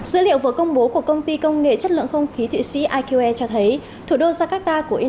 dữ liệu vừa công bố của công ty công nghệ chất lượng không khí thụy sĩ iqe cho thấy thủ đô jakarta của indonesia đứng đầu danh sách của quốc gia